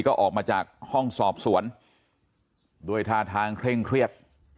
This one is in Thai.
ก็ออกมาจากห้องสอบสวนด้วยท่าทางเคร่งเครียด